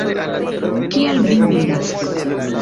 Kial vi miras?